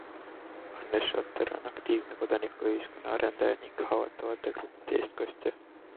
Anne Schotter on aktiivne kodanikuühiskonna arendaja ning haavatavate gruppide eestkostja.